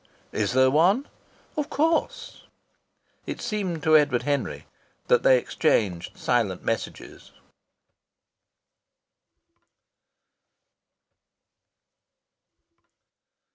"Is there one?" "Of course." It seemed to Edward Henry that they exchanged silent messages.